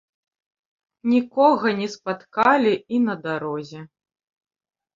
Нікога не спаткалі і на дарозе.